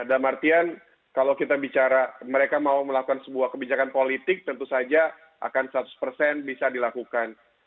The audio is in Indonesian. dalam artian kalau kita bicara mereka mau melakukan sebuah kebijakan politik tentu saja akan seratus persen bisa dilakukan